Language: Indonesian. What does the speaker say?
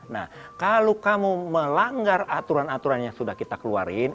nah kalau kamu melanggar aturan aturan yang sudah kita keluarin